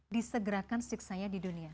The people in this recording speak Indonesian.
disegerakan siksanya di dunia